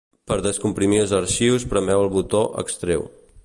Per descomprimir els arxius premeu el botó "extreu".